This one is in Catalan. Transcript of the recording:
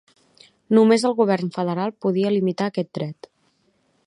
Només el govern federal podia limitar aquest dret.